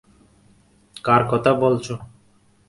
কার কথা বলছো?